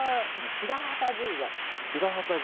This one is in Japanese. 白旗神社。